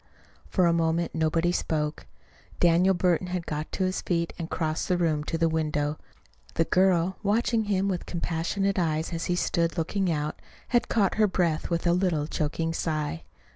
For a moment nobody spoke. Daniel Burton had got to his feet and crossed the room to the window. The girl, watching him with compassionate eyes as he stood looking out, had caught her breath with a little choking sigh.